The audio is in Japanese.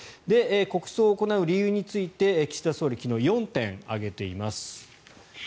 国葬を行う理由について岸田総理昨日、４点挙げています。